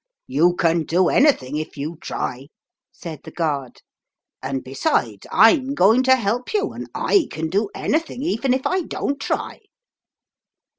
You can do anything if you try," said the guard, "and besides, I'm going to help you, and / can do anything even if I don't try."